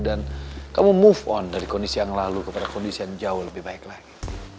dan kamu bergerak dari kondisi yang lalu kepada kondisi yang jauh lebih baik lagi